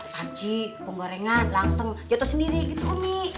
paci penggorengan langsung jatuh sendiri gitu umi